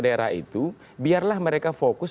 daerah itu biarlah mereka fokus